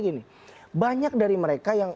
gini banyak dari mereka yang